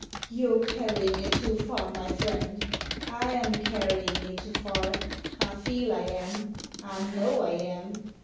" You're carrying it too far, my friend." " I am carrying it too far — I feel I am ! I know I am!